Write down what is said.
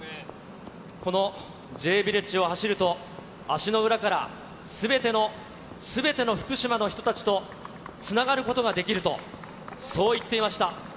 このＪヴィレッジを走ると、足の裏からすべての、すべての福島の人たちとつながることができると、そう言っていました。